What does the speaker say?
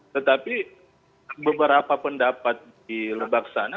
tetapi beberapa pendapat di lebak sana